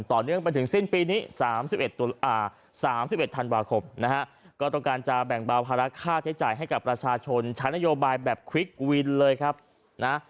ต่อเนื่องไปถึงสิ้นปีนี้สามสิบเอ็ดตุลอ่าสามสิบเอ็ดธันวาคมนะฮะก็ต้องการจะแบ่งเบาภาระค่าใช้จ่ายให้กับประชาชนใช้นโยบายแบบควิกวินเลยครับนะฮะ